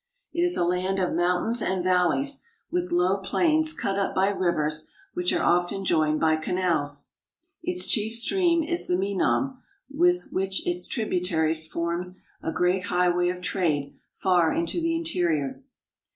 It is a land of mountains and valleys, with low plains cut up by rivers which are often joined by canals. Its chief stream is the Menam, which with its tributaries forms a great highway of trade far into the interior.